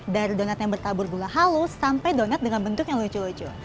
dari donat yang bertabur gula halus sampai donat dengan bentuk yang lucu lucu